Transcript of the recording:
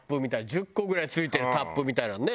１０個ぐらい付いてるタップみたいなのね。